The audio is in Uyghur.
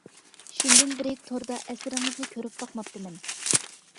شۇندىن بىرى توردا ئەسىرىڭىزنى كۆرۈپ باقماپتىمەن.